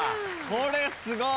これすごい。